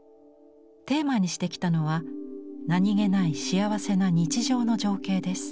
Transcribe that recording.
テーマにしてきたのは何気ない幸せな日常の情景です。